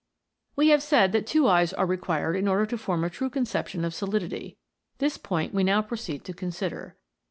We have said that two eyes are reqxiired in order to form a true conception of solidity ; this point we now proceed to consider.